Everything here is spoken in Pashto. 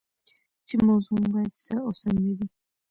چې موضوع مو باید څه او څنګه وي.